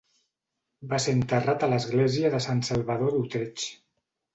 Va ser enterrat a l'església de Sant Salvador d'Utrecht.